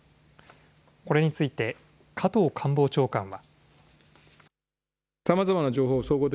これについて加藤官房長官は。